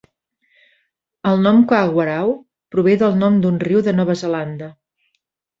El nom "Kawarau" prové del nom d'un riu de Nova Zelanda.